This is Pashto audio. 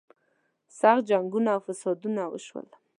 سخت جنګونه او فسادونه وشول.